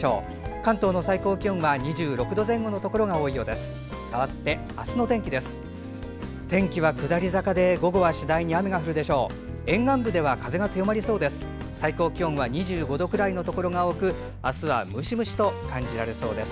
関東の最高気温は２６度前後のところが多いようです。